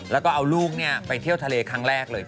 แล้วก็เอาลูกไปเที่ยวทะเลครั้งแรกเลย